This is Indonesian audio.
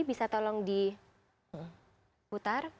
bisa tolong diputar